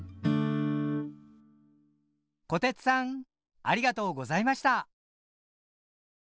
小鉄さんありがとうございました。